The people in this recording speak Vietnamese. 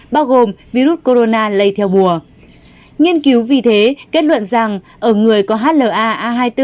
bao gồm virus corona lây theo bùa nghiên cứu vì thế kết luận rằng ở người có hla a hai mươi bốn